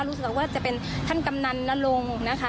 รู้สึกว่าจะเป็นท่านกำนันนรงค์นะคะ